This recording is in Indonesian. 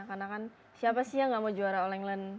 karena kan siapa sih yang gak mau juara all england